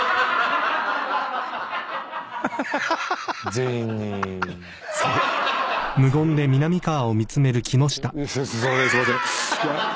全員⁉すんませんすんません。